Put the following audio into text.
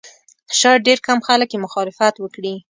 شاید ډېر کم خلک یې مخالفت وکړي.